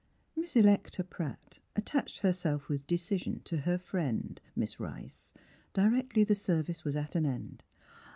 Miss Electa Pratt attached herself with decision to her friend, Miss Rice, directly the service was at an end.